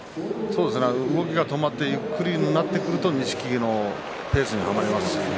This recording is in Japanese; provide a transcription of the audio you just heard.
動きが止まってゆっくりになると錦木のペースに、はまりますね。